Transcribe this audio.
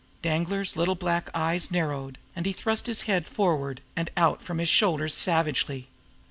Danglar's little black eyes narrowed, and he thrust his head forward and out from his shoulders savagely.